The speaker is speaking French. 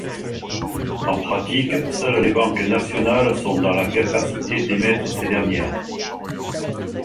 En pratique, seules les banques nationales sont dans la capacité d'émettre ces dernières.